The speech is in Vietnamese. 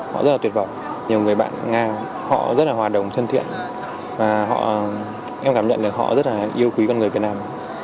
họ rất là tuyệt vời nhiều người bạn nga họ rất là hòa đồng thân thiện và em cảm nhận được họ rất là yêu quý con người việt nam